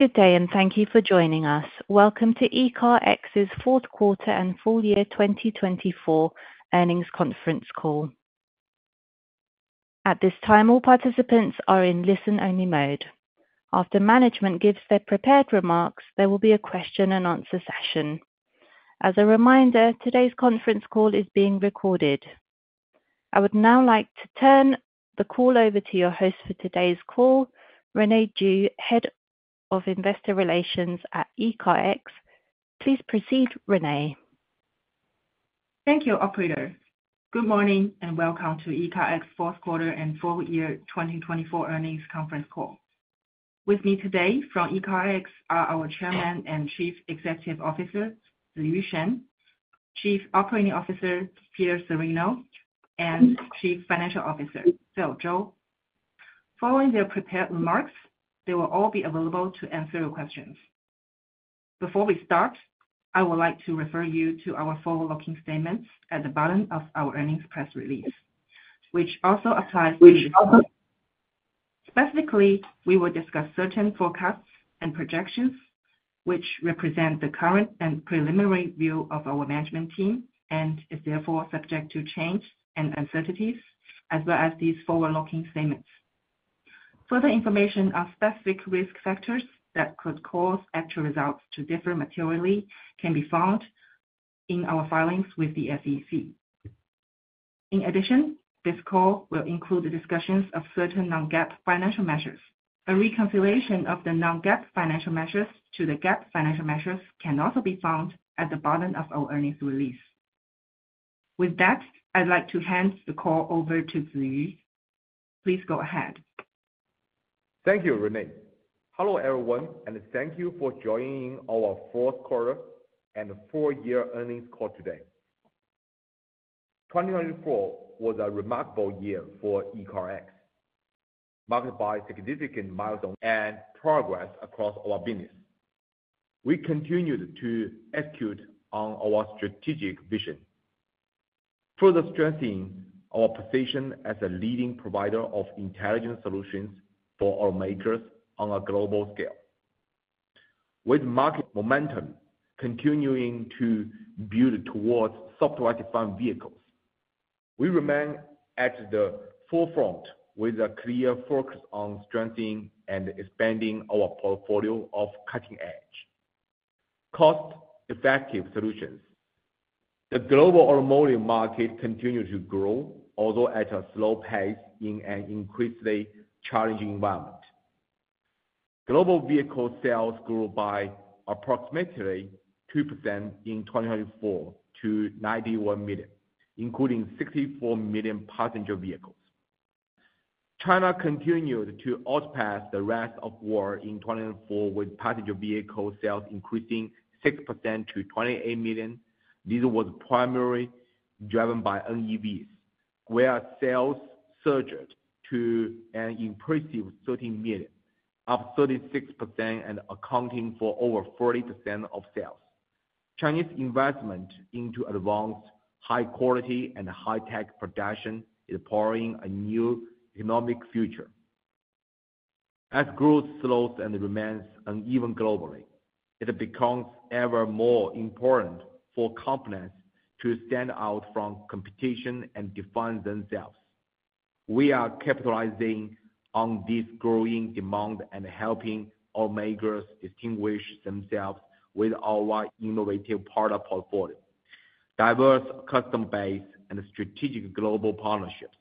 Good day, and thank you for joining us. Welcome to ECARX's fourth quarter and full year 2024 earnings conference call. At this time, all participants are in listen-only mode. After management gives their prepared remarks, there will be a question-and-answer session. As a reminder, today's conference call is being recorded. I would now like to turn the call over to your host for today's call, Rene Du, Head of Investor Relations at ECARX. Please proceed, Rene. Thank you, Operator. Good morning and welcome to ECARX fourth quarter and full year 2024 earnings conference call. With me today from ECARX are our Chairman and Chief Executive Officer, Ziyu Shen, Chief Operating Officer, Peter Cirino, and Chief Financial Officer, Phil Zhou. Following their prepared remarks, they will all be available to answer your questions. Before we start, I would like to refer you to our forward-looking statements at the bottom of our earnings press release, which also applies to. Specifically, we will discuss certain forecasts and projections, which represent the current and preliminary view of our management team and are therefore subject to change and uncertainties, as well as these forward-looking statements. Further information on specific risk factors that could cause actual results to differ materially can be found in our filings with the SEC. In addition, this call will include discussions of certain non-GAAP financial measures. A reconciliation of the non-GAAP financial measures to the GAAP financial measures can also be found at the bottom of our earnings release. With that, I'd like to hand the call over to Ziyu. Please go ahead. Thank you, Rene. Hello everyone, and thank you for joining our fourth quarter and full year earnings call today. 2024 was a remarkable year for ECARX, marked by significant milestones and progress across our business. We continued to execute on our strategic vision, further strengthening our position as a leading provider of intelligent solutions for automakers on a global scale. With market momentum continuing to build towards software-defined vehicles, we remain at the forefront with a clear focus on strengthening and expanding our portfolio of cutting-edge, cost-effective solutions. The global automobile market continues to grow, although at a slow pace in an increasingly challenging environment. Global vehicle sales grew by approximately 2% in 2024 to 91 million, including 64 million passenger vehicles. China continued to outpace the rest of the world in 2024, with passenger vehicle sales increasing 6% to 28 million. This was primarily driven by EVs, where sales surged to an impressive 13 million, up 36% and accounting for over 40% of sales. Chinese investment into advanced, high-quality, and high-tech production is powering a new economic future. As growth slows and remains uneven globally, it becomes ever more important for companies to stand out from competition and define themselves. We are capitalizing on this growing demand and helping automakers distinguish themselves with our innovative product portfolio, diverse customer base, and strategic global partnerships.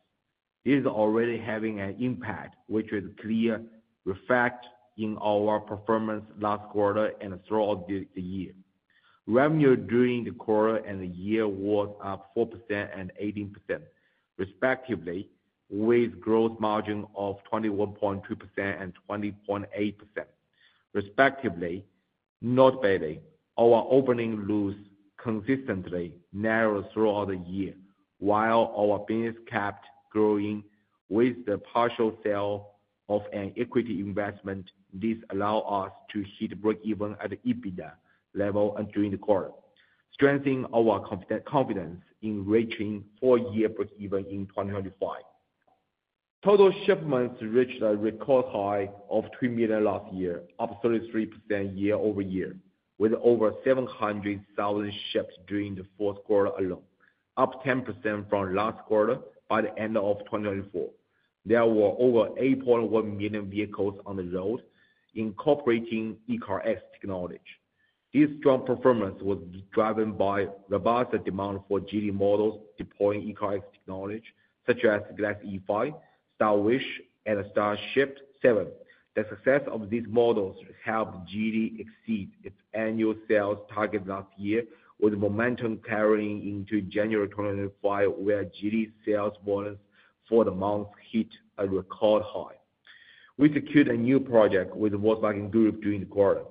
This is already having an impact, which is clearly reflected in our performance last quarter and throughout the year. Revenue during the quarter and the year was up 4% and 18%, respectively, with gross margins of 21.2% and 20.8%, respectively. Notably, our operating loss consistently narrowed throughout the year, while our business kept growing with the partial sale of equity investment. This allowed us to hit break-even at EBITDA level during the quarter, strengthening our confidence in reaching full-year break-even in 2025. Total shipments reached a record high of 3 million last year, up 33% year-over-year, with over 700,000 shipments during the fourth quarter alone, up 10% from last quarter. By the end of 2024, there were over 8.1 million vehicles on the road, incorporating ECARX technology. This strong performance was driven by robust demand for Geely models deploying ECARX technology, such as Galaxy E5, Star Wish, and Starship 7. The success of these models helped Geely exceed its annual sales target last year, with momentum carrying into January 2025, where Geely's sales volumes for the month hit a record high. We secured a new project with Volkswagen Group during the quarter,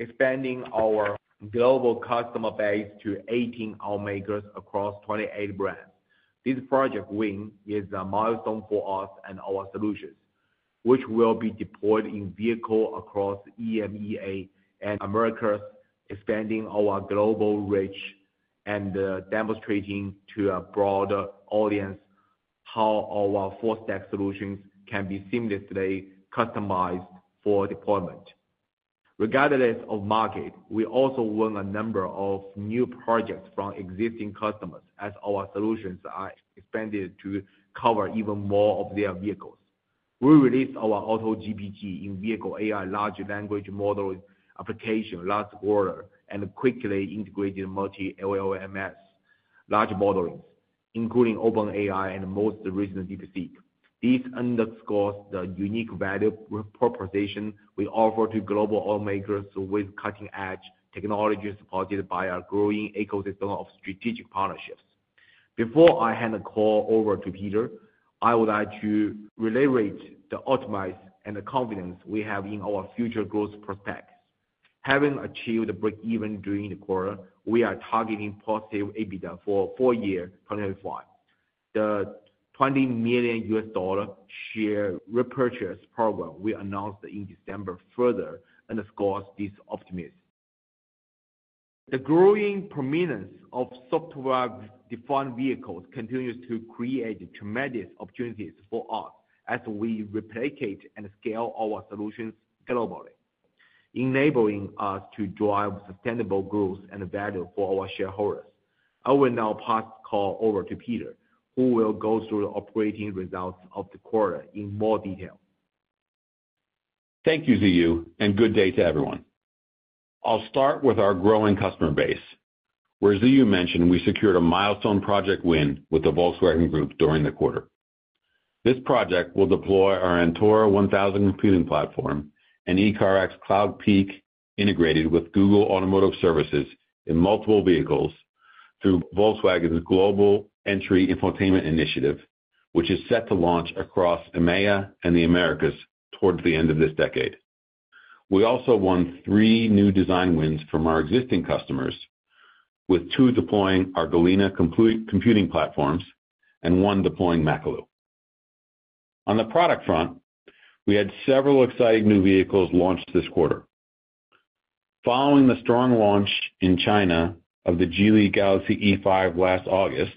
expanding our global customer base to 18 automakers across 28 brands. This project win is a milestone for us and our solutions, which will be deployed in vehicles across EMEA and Americas, expanding our global reach and demonstrating to a broader audience how our full-stack solutions can be seamlessly customized for deployment. Regardless of market, we also won a number of new projects from existing customers as our solutions are expanded to cover even more of their vehicles. We released our AutoGPT in-vehicle AI large language model application last quarter and quickly integrated multi-LLMs large models, including OpenAI and most recently DeepSeek. This underscores the unique value proposition we offer to global automakers with cutting-edge technology supported by our growing ecosystem of strategic partnerships. Before I hand the call over to Peter, I would like to reiterate the optimism and the confidence we have in our future growth prospects. Having achieved a break-even during the quarter, we are targeting positive EBITDA for full year 2025. The $20 million share repurchase program we announced in December further underscores this optimism. The growing prominence of software-defined vehicles continues to create tremendous opportunities for us as we replicate and scale our solutions globally, enabling us to drive sustainable growth and value for our shareholders. I will now pass the call over to Peter, who will go through the operating results of the quarter in more detail. Thank you, Ziyu, and good day to everyone. I'll start with our growing customer base, where Ziyu mentioned we secured a milestone project win with the Volkswagen Group during the quarter. This project will deploy our Antora 1000 computing platform and ECARX Cloudpeak integrated with Google Automotive Services in multiple vehicles through Volkswagen's global entry infotainment initiative, which is set to launch across EMEA and the Americas towards the end of this decade. We also won three new design wins from our existing customers, with two deploying our Galena computing platforms and one deploying Makalu. On the product front, we had several exciting new vehicles launched this quarter. Following the strong launch in China of the Geely Galaxy E5 last August,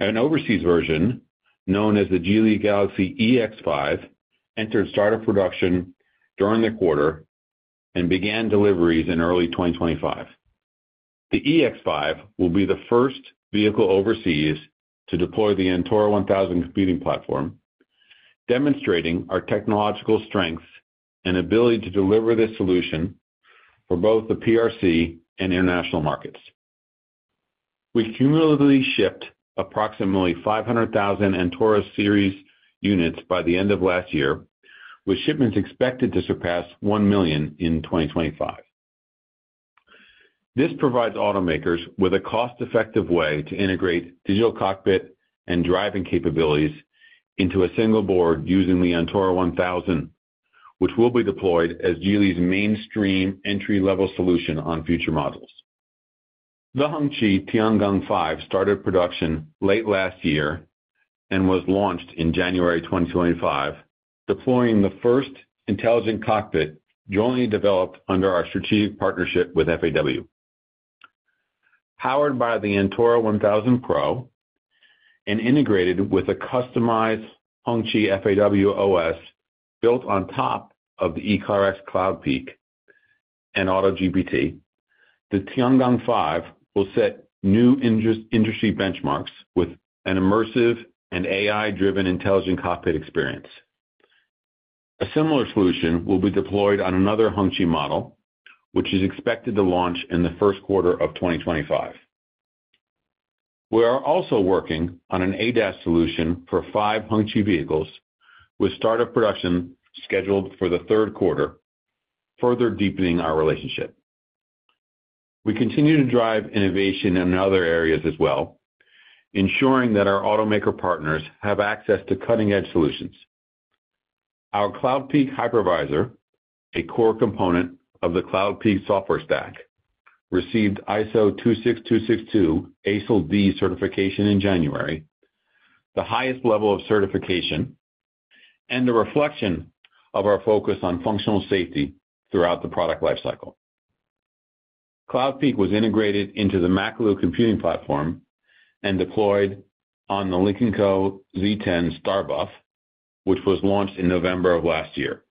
an overseas version known as the Geely Galaxy EX5 entered start of production during the quarter and began deliveries in early 2025. The EX5 will be the first vehicle overseas to deploy the Antora 1000 computing platform, demonstrating our technological strengths and ability to deliver this solution for both the PRC and international markets. We cumulatively shipped approximately 500,000 Antora series units by the end of last year, with shipments expected to surpass 1 million in 2025. This provides automakers with a cost-effective way to integrate digital cockpit and driving capabilities into a single board using the Antora 1000, which will be deployed as Geely's mainstream entry-level solution on future models. The Hongqi Tiangong 05 started production late last year and was launched in January 2025, deploying the first intelligent cockpit jointly developed under our strategic partnership with FAW. Powered by the Antora 1000 Pro and integrated with a customized Hongqi FAW OS built on top of the ECARX Cloudpeak and AutoGPT, the Tiangong 05 will set new industry benchmarks with an immersive and AI-driven intelligent cockpit experience. A similar solution will be deployed on another Hongqi model, which is expected to launch in the first quarter of 2025. We are also working on an ADAS solution for five Hongqi vehicles, with start of production scheduled for the third quarter, further deepening our relationship. We continue to drive innovation in other areas as well, ensuring that our automaker partners have access to cutting-edge solutions. Our Cloudpeak hypervisor, a core component of the Cloudpeak software stack, received ISO 26262 ASIL-D certification in January, the highest level of certification, and a reflection of our focus on functional safety throughout the product lifecycle. Cloudpeak was integrated into the Makalu computing platform and deployed on the Lynk & Co Z10 STARBUFF, which was launched in November of last year.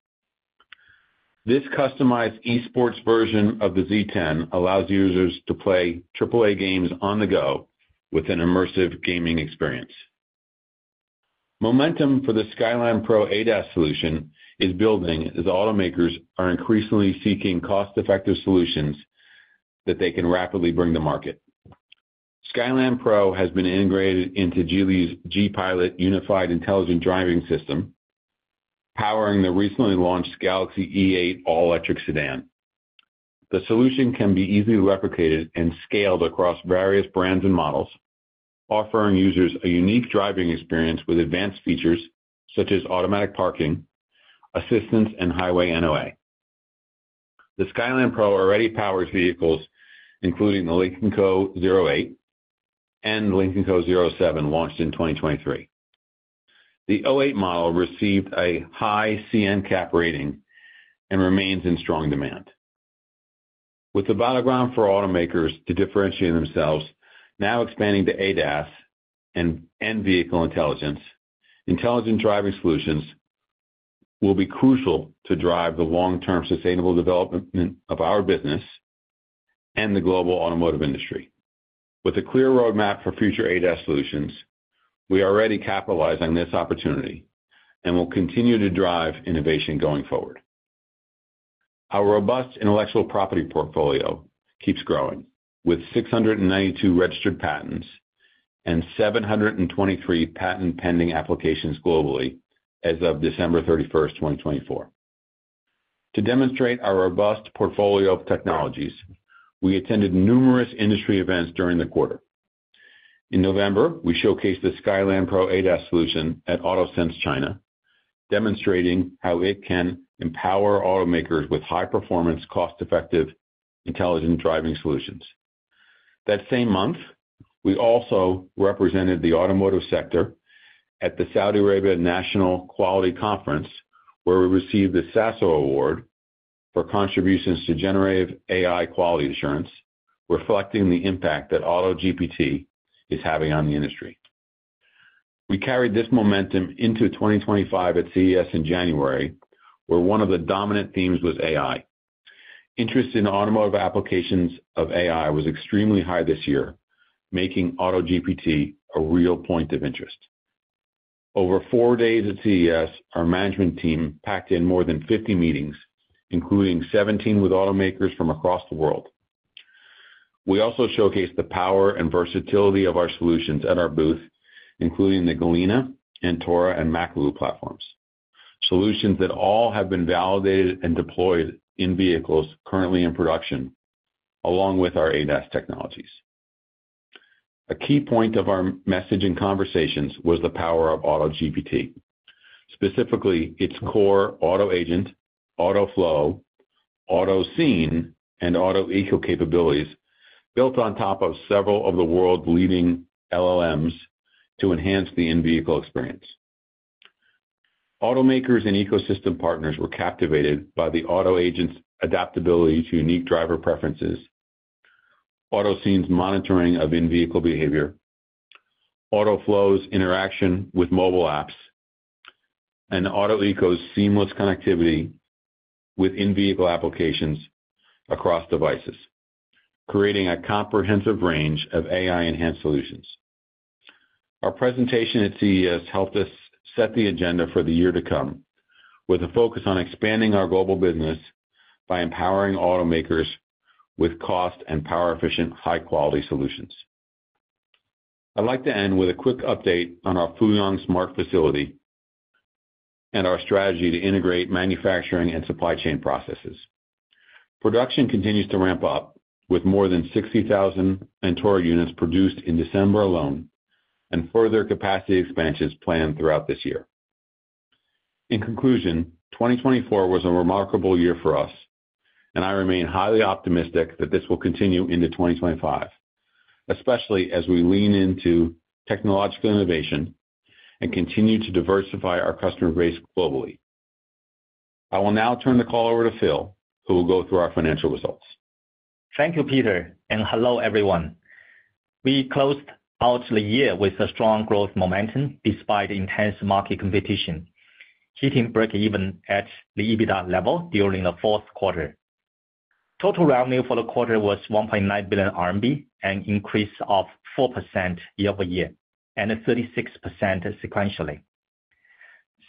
This customized eSports version of the Z10 allows users to play AAA games on the go with an immersive gaming experience. Momentum for the Skyland Pro ADAS solution is building as automakers are increasingly seeking cost-effective solutions that they can rapidly bring to market. Skyland Pro has been integrated into Geely's G-Pilot Unified Intelligent Driving System, powering the recently launched Galaxy E8 all-electric sedan. The solution can be easily replicated and scaled across various brands and models, offering users a unique driving experience with advanced features such as automatic parking, assistance, and highway NOA. The Skyland Pro already powers vehicles, including the Lynk & Co 08 and Lynk & Co 07, launched in 2023. The 08 model received a high C-NCAP rating and remains in strong demand. With the battleground for automakers to differentiate themselves now expanding to ADAS and in-vehicle intelligence, intelligent driving solutions will be crucial to drive the long-term sustainable development of our business and the global automotive industry. With a clear roadmap for future ADAS solutions, we are already capitalizing on this opportunity and will continue to drive innovation going forward. Our robust intellectual property portfolio keeps growing, with 692 registered patents and 723 patent-pending applications globally as of December 31, 2024. To demonstrate our robust portfolio of technologies, we attended numerous industry events during the quarter. In November, we showcased the Skyland Pro ADAS solution at AutoSens China, demonstrating how it can empower automakers with high-performance, cost-effective intelligent driving solutions. That same month, we also represented the automotive sector at the Saudi Arabia National Quality Conference, where we received the SASO Award for contributions to generative AI quality assurance, reflecting the impact that AutoGPT is having on the industry. We carried this momentum into 2025 at CES in January, where one of the dominant themes was AI. Interest in automotive applications of AI was extremely high this year, making AutoGPT a real point of interest. Over four days at CES, our management team packed in more than 50 meetings, including 17 with automakers from across the world. We also showcased the power and versatility of our solutions at our booth, including the Galena, Antora, and Makalu platforms, solutions that all have been validated and deployed in vehicles currently in production, along with our ADAS technologies. A key point of our message and conversations was the power of AutoGPT, specifically its core Auto Agent, Auto Flow, Auto Scene, and Auto Eco capabilities built on top of several of the world's leading LLMs to enhance the in-vehicle experience. Automakers and ecosystem partners were captivated by the Auto Agent's adaptability to unique driver preferences, Auto Scene's monitoring of in-vehicle behavior, Auto Flow's interaction with mobile apps, and Auto Eco's seamless connectivity with in-vehicle applications across devices, creating a comprehensive range of AI-enhanced solutions. Our presentation at CES helped us set the agenda for the year to come, with a focus on expanding our global business by empowering automakers with cost and power-efficient, high-quality solutions. I'd like to end with a quick update on our Fuyang smart facility and our strategy to integrate manufacturing and supply chain processes. Production continues to ramp-up, with more than 60,000 Antora units produced in December alone and further capacity expansions planned throughout this year. In conclusion, 2024 was a remarkable year for us, and I remain highly optimistic that this will continue into 2025, especially as we lean into technological innovation and continue to diversify our customer base globally. I will now turn the call over to Phil, who will go through our financial results. Thank you, Peter, and hello, everyone. We closed out the year with a strong growth momentum despite intense market competition, hitting break-even at the EBITDA level during the fourth quarter. Total revenue for the quarter was 1.9 billion RMB, an increase of 4% year-over-year and 36% sequentially.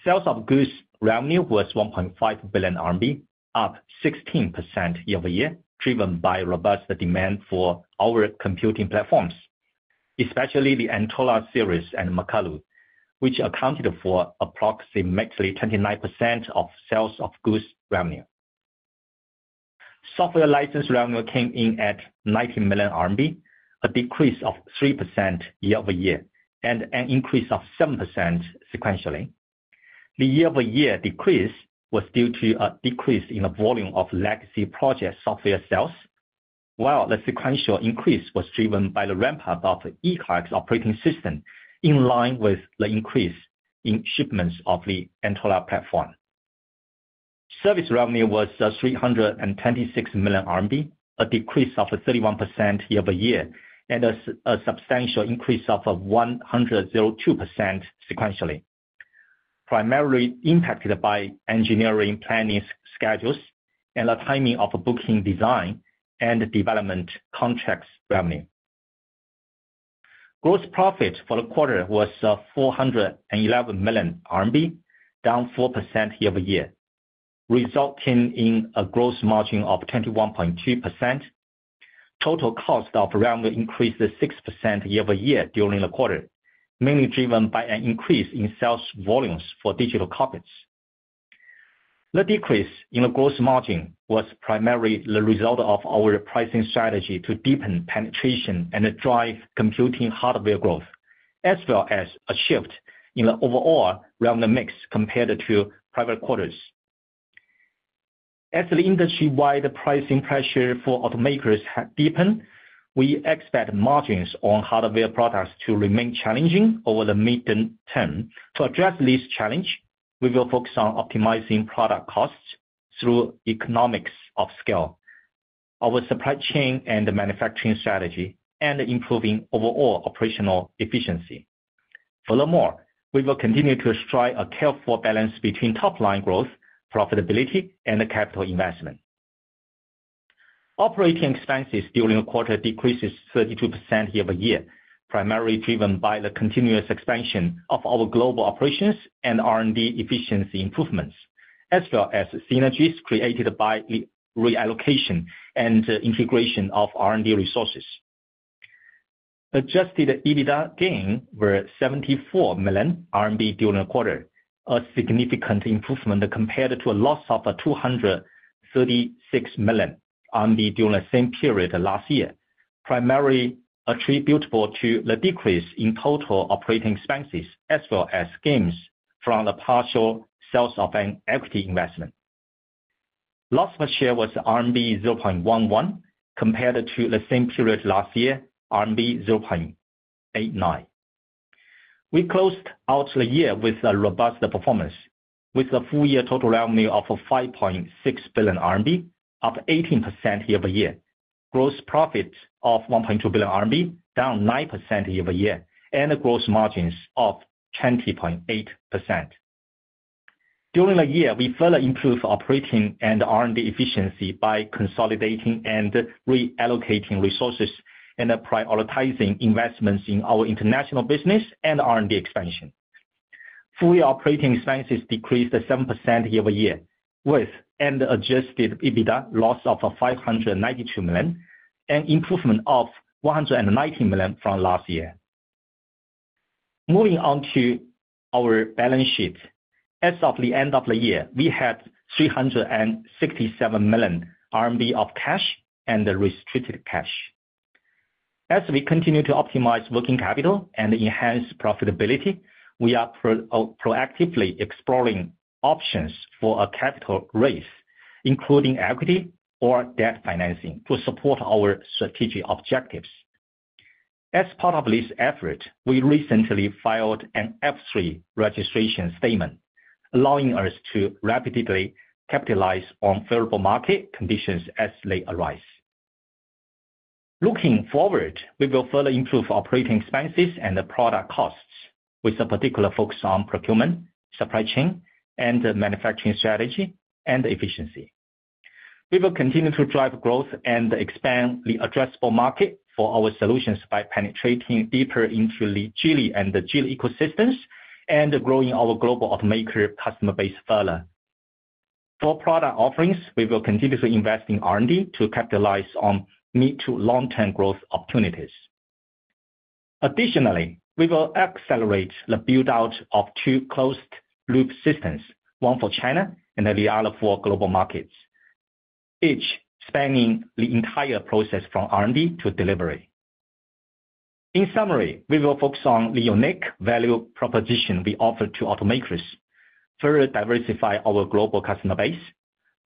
Sales of goods revenue was 1.5 billion RMB, up 16% year-over-year, driven by robust demand for our computing platforms, especially the Antora series and Makalu, which accounted for approximately 29% of sales of goods revenue. Software license revenue came in at 90 million RMB, a decrease of 3% year-over-year and an increase of 7% sequentially. The year-over-year decrease was due to a decrease in the volume of legacy project software sales, while the sequential increase was driven by the ramp-up of ECARX operating system in line with the increase in shipments of the Antora platform. Service revenue was 326 million RMB, a decrease of 31% year-over-year, and a substantial increase of 102% sequentially, primarily impacted by engineering planning schedules and the timing of booking design and development contracts revenue. Gross profit for the quarter was 411 million RMB, down 4% year-over-year, resulting in a gross margin of 21.2%. Total cost of revenue increased 6% year-over-year during the quarter, mainly driven by an increase in sales volumes for digital cockpits. The decrease in the gross margin was primarily the result of our pricing strategy to deepen penetration and drive computing hardware growth, as well as a shift in the overall revenue mix compared to prior quarters. As the industry-wide pricing pressure for automakers has deepened, we expect margins on hardware products to remain challenging over the mid-term. To address this challenge, we will focus on optimizing product costs through economics of scale, our supply chain and manufacturing strategy, and improving overall operational efficiency. Furthermore, we will continue to strive a careful balance between top-line growth, profitability, and capital investment. Operating expenses during the quarter decreased 32% year-over-year, primarily driven by the continuous expansion of our global operations and R&D efficiency improvements, as well as synergies created by reallocation and integration of R&D resources. Adjusted EBITDA gain was 74 million RMB during the quarter, a significant improvement compared to a loss of 236 million RMB during the same period last year, primarily attributable to the decrease in total operating expenses, as well as gains from the partial sales of an equity investment. Loss per share was RMB 0.11 compared to the same period last year, RMB 0.89. We closed out the year with robust performance, with a full-year total revenue of 5.6 billion RMB, up 18% year-over-year, gross profit of 1.2 billion RMB, down 9% year-over-year, and gross margins of 20.8%. During the year, we further improved operating and R&D efficiency by consolidating and reallocating resources and prioritizing investments in our international business and R&D expansion. Fully operating expenses decreased 7% year-over-year, with an adjusted EBITDA loss of 592 million and improvement of 119 million from last year. Moving on to our balance sheet, as of the end of the year, we had 367 million RMB of cash and restricted cash. As we continue to optimize working capital and enhance profitability, we are proactively exploring options for a capital raise, including equity or debt financing, to support our strategic objectives. As part of this effort, we recently filed an F-3 registration statement, allowing us to rapidly capitalize on favorable market conditions as they arise. Looking forward, we will further improve operating expenses and product costs, with a particular focus on procurement, supply chain, and manufacturing strategy and efficiency. We will continue to drive growth and expand the addressable market for our solutions by penetrating deeper into the Geely and Geely ecosystems and growing our global automaker customer base further. For product offerings, we will continue to invest in R&D to capitalize on mid- to long-term growth opportunities. Additionally, we will accelerate the build-out of two closed-loop systems, one for China and the other for global markets, each spanning the entire process from R&D to delivery. In summary, we will focus on the unique value proposition we offer to automakers, further diversify our global customer base,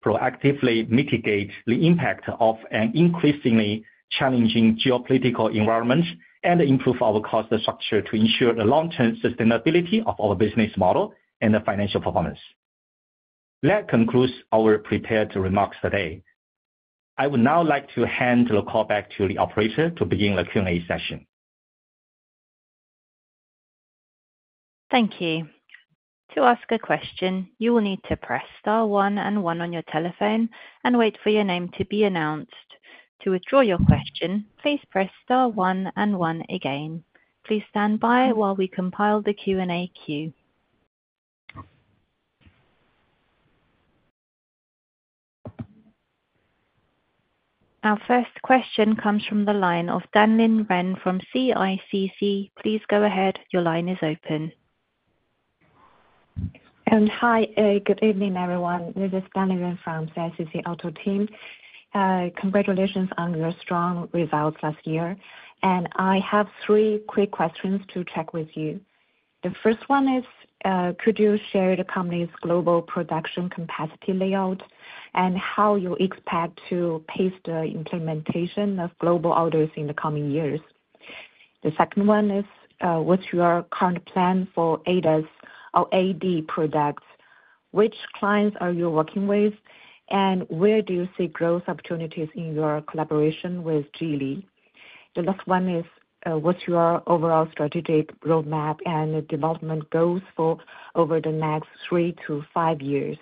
proactively mitigate the impact of an increasingly challenging geopolitical environment, and improve our cost structure to ensure the long-term sustainability of our business model and financial performance. That concludes our prepared remarks today. I would now like to hand the call back to the operator to begin the Q&A session. Thank you. To ask a question, you will need to press star one and one on your telephone and wait for your name to be announced. To withdraw your question, please press star one and one again. Please stand by while we compile the Q&A queue. Our first question comes from the line of Danlin Ren from CICC. Please go ahead. Your line is open. Hi, good evening, everyone. This is Danlin Ren from CICC Auto team. Congratulations on your strong results last year. I have three quick questions to check with you. The first one is, could you share the company's global production capacity layout and how you expect to pace the implementation of global orders in the coming years? The second one is, what's your current plan for ADAS or AD products? Which clients are you working with, and where do you see growth opportunities in your collaboration with Geely? The last one is, what's your overall strategic roadmap and development goals for over the next three to five years?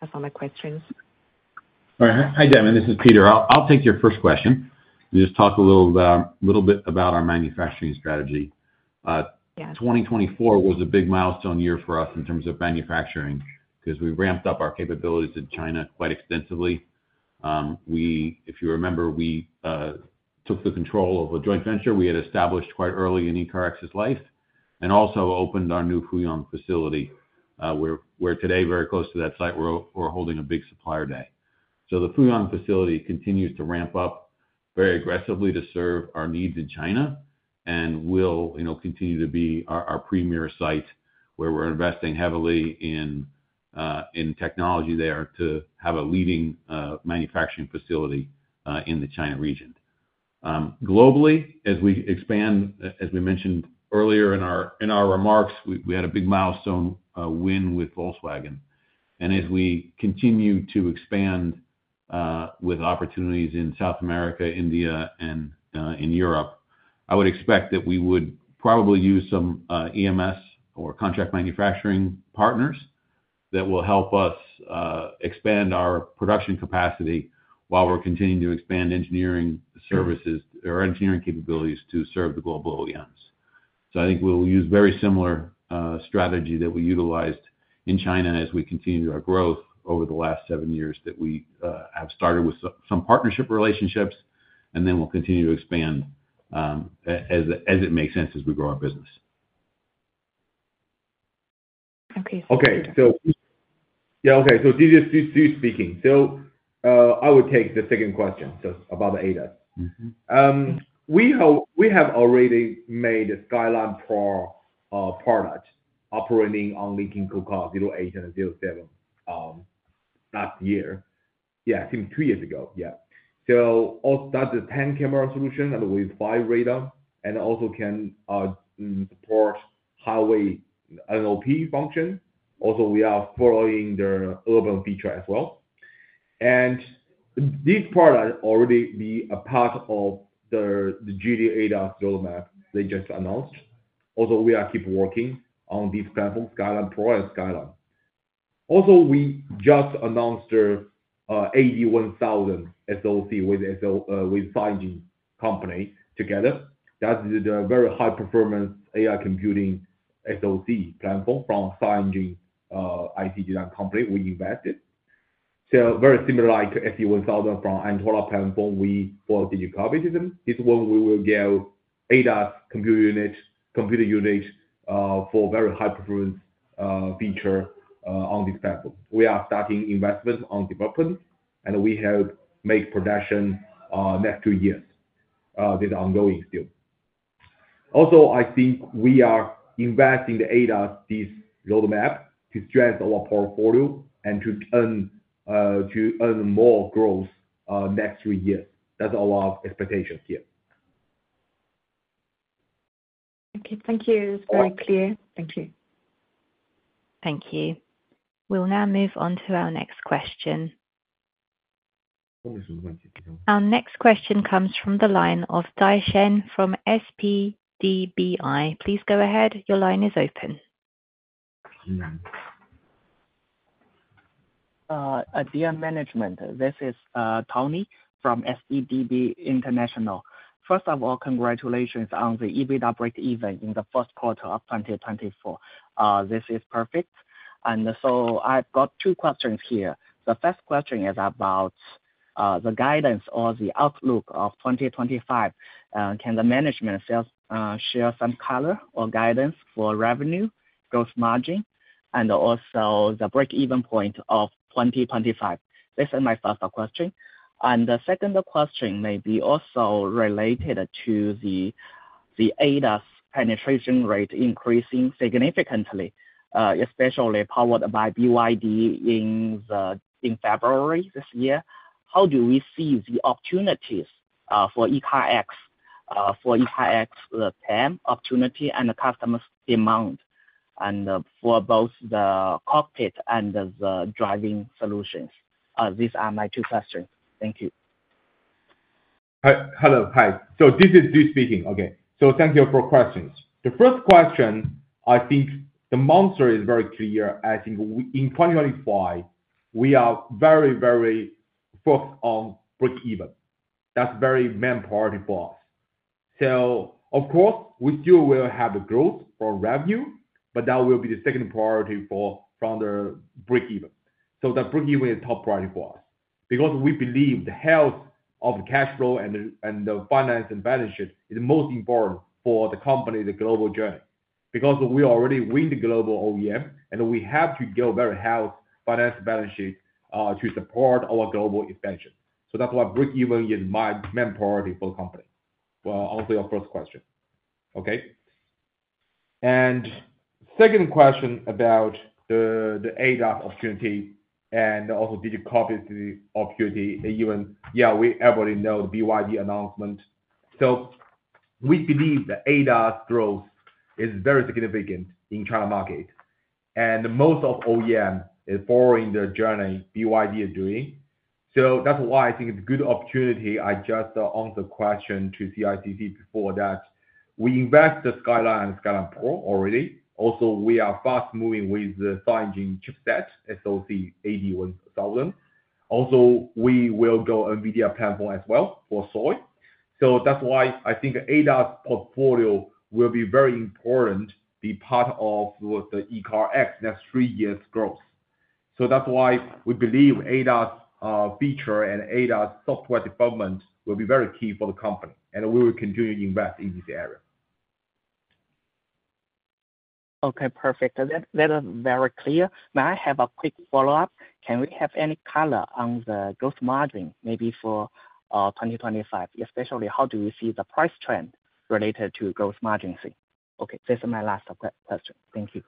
That's all my questions. Hi, Danlin. This is Peter. I'll take your first question. We just talked a little bit about our manufacturing strategy. 2024 was a big milestone year for us in terms of manufacturing because we ramped up our capabilities in China quite extensively. If you remember, we took the control of a joint venture we had established quite early in ECARX's life and also opened our new Fuyang facility. We're today very close to that site. We're holding a big supplier day. The Fuyang facility continues to ramp-up very aggressively to serve our needs in China and will continue to be our premier site where we're investing heavily in technology there to have a leading manufacturing facility in the China region. Globally, as we expand, as we mentioned earlier in our remarks, we had a big milestone win with Volkswagen. As we continue to expand with opportunities in South America, India, and in Europe, I would expect that we would probably use some EMS or contract manufacturing partners that will help us expand our production capacity while we're continuing to expand engineering services or engineering capabilities to serve the global OEMs. I think we'll use a very similar strategy that we utilized in China as we continue our growth over the last seven years that we have started with some partnership relationships, and then we'll continue to expand as it makes sense as we grow our business. Okay. Okay. Yeah, okay. This is Steve speaking. I will take the second question about the ADAS. We have already made a Skyland Pro product operating on Lynk & Co 08 and 07 last year. I think two years ago. That is a 10-camera solution with 5 radar and also can support highway NOP function. Also, we are following the urban feature as well. This product already is a part of the Geely ADAS roadmap they just announced. We are keep working on these platforms, Skyland Pro and Skyland. We just announced the AD1000 SoC with SiEngine company together. That is the very high-performance AI computing SoC platform from SiEngine IC design company we invested. Very similar like SE1000 for our Antora platform, we get digital cockpit for them. This one we will get ADAS computer unit for very high-performance feature on this platform. We are starting investment on development, and we have made production next two years. This is ongoing still. Also, I think we are investing the ADAS this roadmap to strengthen our portfolio and to earn more growth next three years. That's our expectation here. Okay. Thank you. It's very clear. Thank you. Thank you. We'll now move on to our next question. Our next question comes from the line of Dai Shen from SPDBI. Please go ahead. Your line is open. Dear management, this is Tony from SPDBI International. First of all, congratulations on the EBITDA break-even in the first quarter of 2024. This is perfect. I've got two questions here. The first question is about the guidance or the outlook of 2025. Can the management share some color or guidance for revenue, gross margin, and also the break-even point of 2025? This is my first question. The second question may be also related to the ADAS penetration rate increasing significantly, especially powered by BYD in February this year. How do we see the opportunities for ECARX, for ECARX's TAM opportunity and customer demand for both the cockpit and the driving solutions? These are my two questions. Thank you. Hello. Hi. This is Steve speaking. Thank you for questions. The first question, I think the monster is very clear. I think in 2025, we are very, very focused on break-even. That is a very main priority for us. Of course, we still will have the growth for revenue, but that will be the second priority from the break-even. Break-even is a top priority for us because we believe the health of the cash flow and the finance and balance sheet is the most important for the company's global journey because we already win the global OEM, and we have to build very healthy finance and balance sheet to support our global expansion. That is why break-even is my main priority for the company. Answer your first question. Second question about the ADAS opportunity and also digital copy opportunity. Yeah, we already know the BYD announcement. We believe the ADAS growth is very significant in the China market. Most of OEM is following the journey BYD is doing. I think it's a good opportunity. I just answered the question to CICC before that. We invested Skyland and Skyland Pro already. Also, we are fast moving with the SiEngine chipset SoC AD1000. Also, we will go NVIDIA platform as well for Thor. I think ADAS portfolio will be very important to be part of the ECARX next three years' growth. We believe ADAS feature and ADAS software development will be very key for the company. We will continue to invest in this area. Okay. Perfect. That is very clear. May I have a quick follow-up? Can we have any color on the gross margin maybe for 2025? Especially, how do we see the price trend related to gross margin? Okay. This is my last question. Thank you.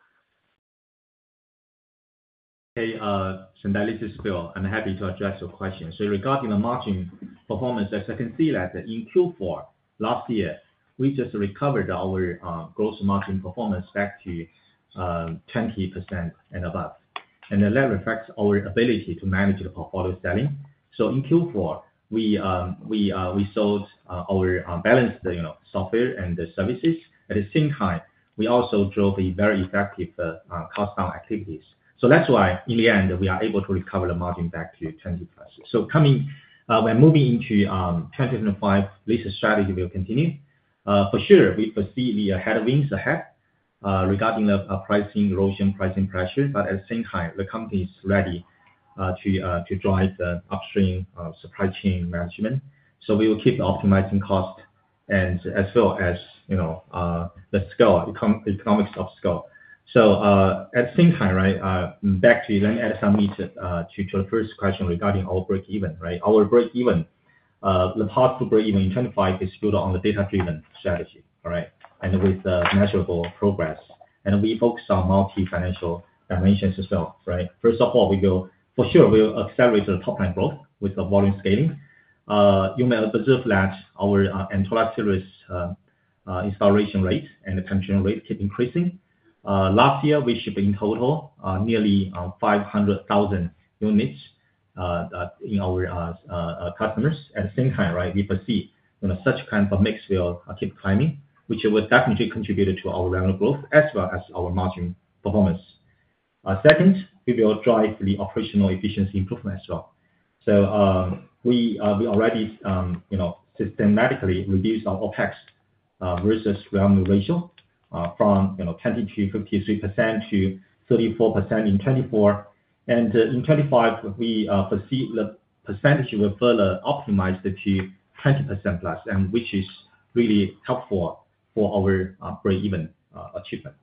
Hey, Danlin, this is Phil. I'm happy to address your question. Regarding the margin performance, as I can see that in Q4 last year, we just recovered our gross margin performance back to 20% and above. That reflects our ability to manage the portfolio selling. In Q4, we sold our balanced software and the services. At the same time, we also drove very effective cost-down activities. That is why in the end, we are able to recover the margin back to 20% plus. When moving into 2025, this strategy will continue. For sure, we foresee the headwinds ahead regarding the pricing erosion, pricing pressure. At the same time, the company is ready to drive the upstream supply chain management. We will keep optimizing cost and as well as the economics of scale. At the same time, right, let me add some meat to the first question regarding our break-even. Right? Our break-even, the possible break-even in 2025 is built on the data-driven strategy, all right, and with measurable progress. We focus on multi-financial dimensions as well. Right? First of all, for sure, we will accelerate the top-line growth with the volume scaling. You may observe that our Antora series installation rate and the penetration rate keep increasing. Last year, we shipped in total nearly 500,000 units in our customers. At the same time, right, we foresee such kind of a mix will keep climbing, which will definitely contribute to our revenue growth as well as our margin performance. Second, we will drive the operational efficiency improvement as well. We already systematically reduced our OpEx versus revenue ratio from 53% to 34% in 2024. In 2025, we foresee the percentage will further optimize to 20% plus, which is really helpful for our break-even achievement.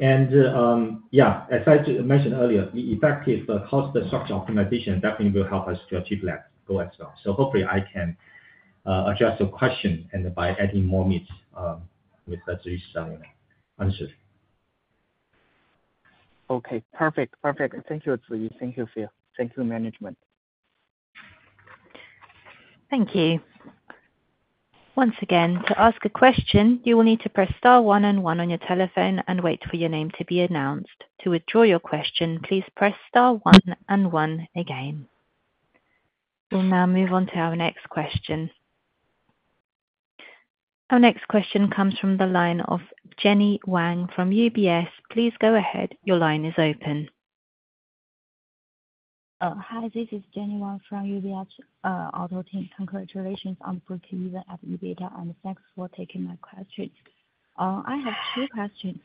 As I mentioned earlier, the effective cost structure optimization definitely will help us to achieve that goal as well. Hopefully, I can address your question by adding more meat with the answers. Okay. Perfect. Perfect. Thank you, Steve. Thank you, Phil. Thank you, management. Thank you. Once again, to ask a question, you will need to press star one and one on your telephone and wait for your name to be announced. To withdraw your question, please press star one and one again. We'll now move on to our next question. Our next question comes from the line of Jenny Wang from UBS. Please go ahead. Your line is open. Hi, this is Jenny Wang from UBS Auto team. Congratulations on the break-even at ECARX, and thanks for taking my question. I have two questions.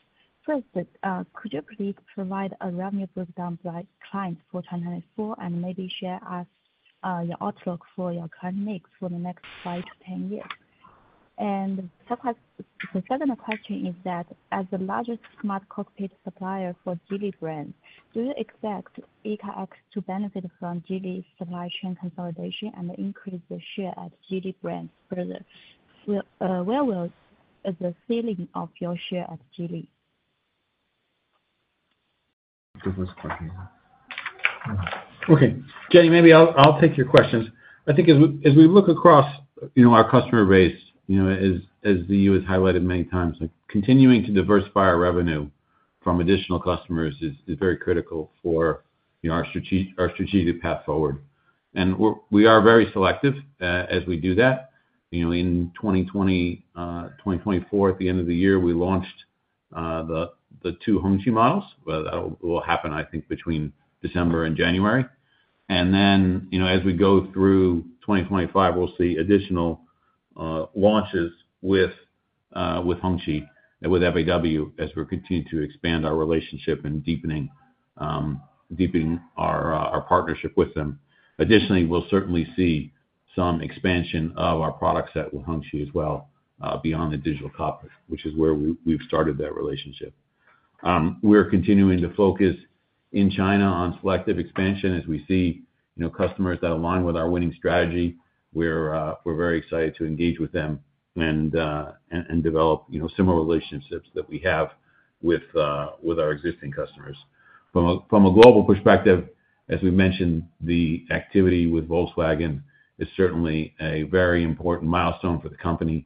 First, could you please provide a revenue breakdown by clients for 2024 and maybe share your outlook for your client for the next 5-10 years? The second question is that as the largest smart cockpit supplier for Geely brand, do you expect ECARX to benefit from Geely's supply chain consolidation and increase the share at Geely brand further? Where was the ceiling of your share at Geely? Okay. Jenny, maybe I'll take your questions. I think as we look across our customer base, as you had highlighted many times, continuing to diversify our revenue from additional customers is very critical for our strategic path forward. We are very selective as we do that. In 2024, at the end of the year, we launched the two Hongqi models. That will happen, I think, between December and January. As we go through 2025, we'll see additional launches with Hongqi and with FAW as we continue to expand our relationship and deepen our partnership with them. Additionally, we'll certainly see some expansion of our products at Hongqi as well beyond the digital cockpit, which is where we've started that relationship. We're continuing to focus in China on selective expansion as we see customers that align with our winning strategy. We're very excited to engage with them and develop similar relationships that we have with our existing customers. From a global perspective, as we mentioned, the activity with Volkswagen is certainly a very important milestone for the company.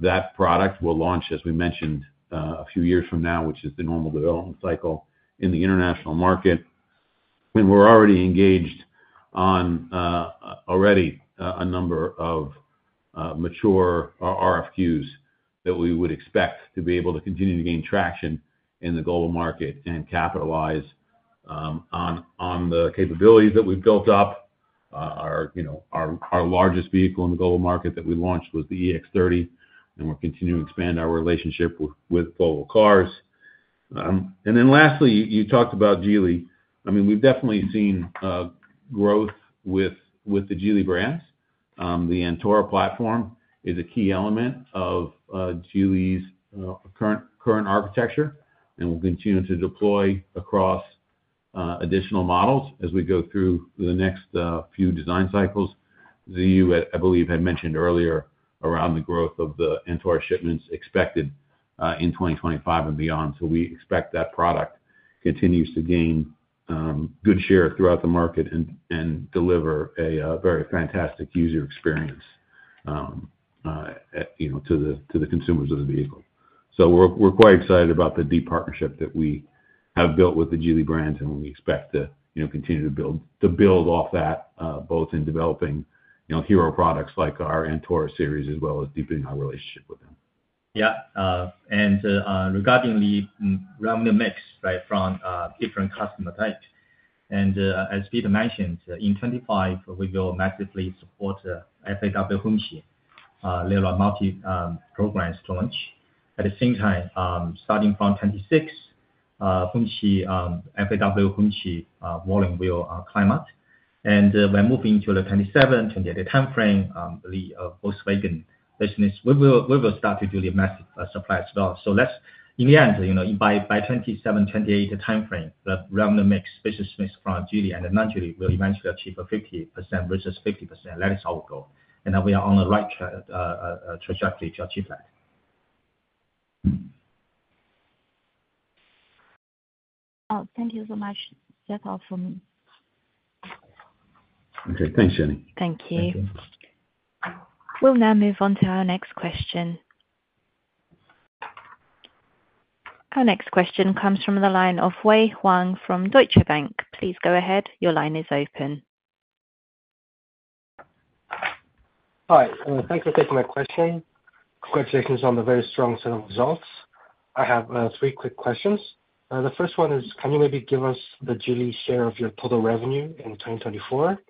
That product will launch, as we mentioned, a few years from now, which is the normal development cycle in the international market. We're already engaged on already a number of mature RFQs that we would expect to be able to continue to gain traction in the global market and capitalize on the capabilities that we've built up. Our largest vehicle in the global market that we launched was the EX30, and we're continuing to expand our relationship with Volvo Cars. Lastly, you talked about Geely. I mean, we've definitely seen growth with the Geely brand. The Antora platform is a key element of Geely's current architecture and will continue to deploy across additional models as we go through the next few design cycles. Ziyu, I believe, had mentioned earlier around the growth of the Antora shipments expected in 2025 and beyond. We expect that product continues to gain good share throughout the market and deliver a very fantastic user experience to the consumers of the vehicle. We are quite excited about the deep partnership that we have built with the Geely brand, and we expect to continue to build off that both in developing hero products like our Antora series as well as deepening our relationship with them. Yeah. Regarding the revenue mix, right, from different customer types. As Peter mentioned, in 2025, we will massively support FAW Hongqi later on multi-programs to launch. At the same time, starting from 2026, FAW Hongqi volume will climb up. By moving to the 2027-2028 timeframe, the Volkswagen business, we will start to do the massive supply as well. In the end, by the 2027-2028 timeframe, the revenue mix, business mix from Geely and non-Geely will eventually achieve a 50% versus 50%. That is our goal. We are on the right trajectory to achieve that. Thank you so much. That's all for me. Okay. Thanks, Jenny. Thank you. We'll now move on to our next question. Our next question comes from the line of Wei Huang from Deutsche Bank. Please go ahead. Your line is open. Hi. Thanks for taking my question. Congratulations on the very strong set of results. I have three quick questions. The first one is, can you maybe give us the Geely share of your total revenue in 2024?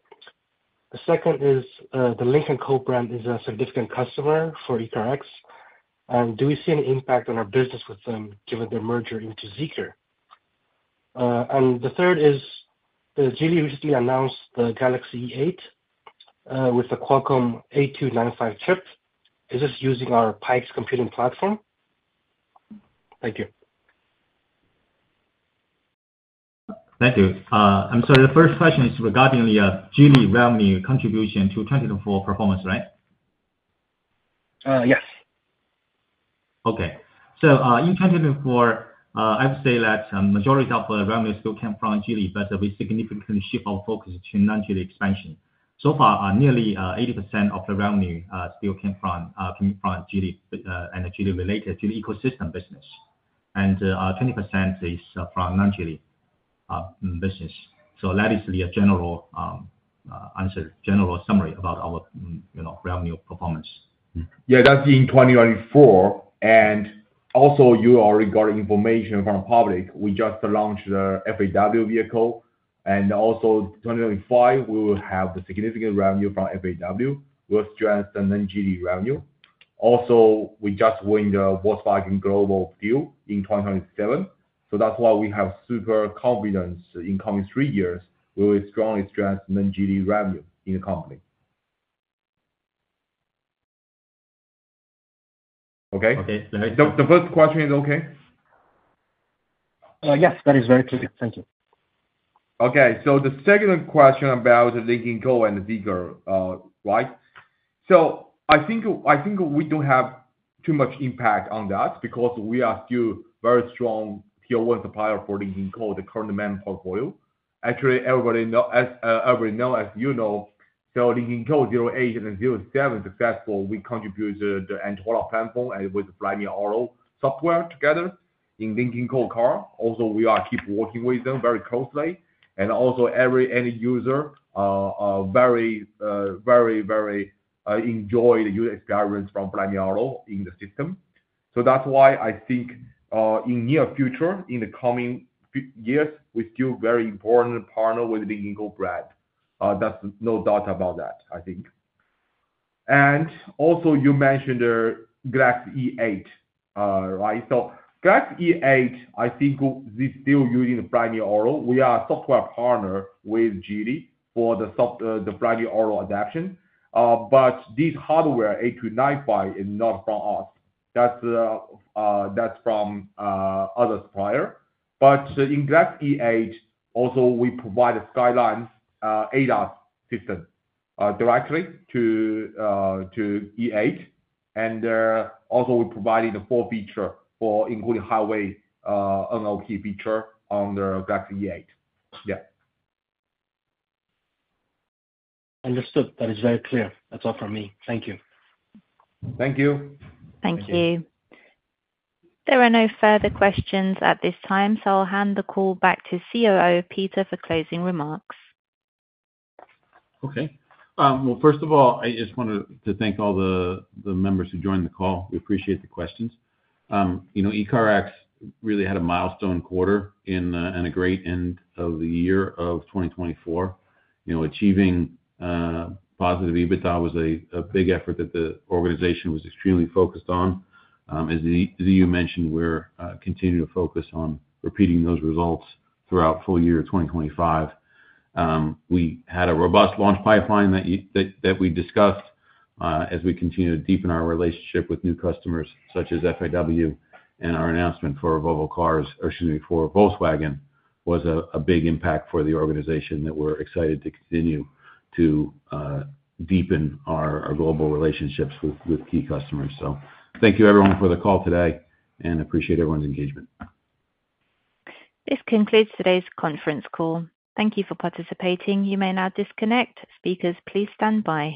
The second is, the Lynk & Co brand is a significant customer for ECARX. Do we see an impact on our business with them given their merger into Zeekr? The third is, Geely recently announced the Galaxy E8 with the Qualcomm 8295 chip. Is this using our Pikes computing platform? Thank you. Thank you. I'm sorry. The first question is regarding the Geely revenue contribution to 2024 performance, right? Yes. Okay. In 2024, I would say that the majority of the revenue still came from Geely, but we significantly shift our focus to non-Geely expansion. So far, nearly 80% of the revenue still came from Geely and the Geely-related Geely ecosystem business. 20% is from non-Geely business. That is the general answer, general summary about our revenue performance. Yeah, that's in 2024. Also, you are regarding information from the public. We just launched the FAW vehicle. Also, 2025, we will have the significant revenue from FAW. We will strengthen non-Geely revenue. Also, we just won the Volkswagen Global Deal in 2027. That is why we have super confidence in the coming three years. We will strongly strengthen non-Geely revenue in the company. Okay? The first question is okay. Yes, that is very clear. Thank you. Okay. The second question about Lynk & Co and Zeekr, right? I think we do not have too much impact on that because we are still a very strong tier one supplier for Lynk & Co, the current main portfolio. Actually, everybody knows, as you know, Lynk & Co 08 and 07 are successful. We contributed the Antora platform with the Flyme Auto software together in Lynk & Co cars. Also, we keep working with them very closely. Every end user very, very, very enjoyed the user experience from Flyme Auto in the system. That is why I think in the near future, in the coming years, we are still a very important partner with the Lynk & Co brand. There is no doubt about that, I think. You mentioned the Galaxy E8, right? Galaxy E8, I think they are still using the Flyme Auto. We are a software partner with Geely for the Flyme Auto adaption. This hardware 8295 is not from us. That is from other suppliers. In Galaxy E8, also, we provide a Skyland Pro ADAS system directly to E8. We provided the full feature including highway NOA feature on the Galaxy E8. Yeah. Understood. That is very clear. That's all from me. Thank you. Thank you. Thank you. There are no further questions at this time, so I'll hand the call back to COO Peter for closing remarks. Okay. First of all, I just wanted to thank all the members who joined the call. We appreciate the questions. ECARX really had a milestone quarter and a great end of the year of 2024. Achieving positive EBITDA was a big effort that the organization was extremely focused on. As you mentioned, we're continuing to focus on repeating those results throughout full year 2025. We had a robust launch pipeline that we discussed as we continued to deepen our relationship with new customers such as FAW. Our announcement for Volkswagen was a big impact for the organization that we're excited to continue to deepen our global relationships with key customers. Thank you, everyone, for the call today, and appreciate everyone's engagement. This concludes today's conference call. Thank you for participating. You may now disconnect. Speakers, please stand by.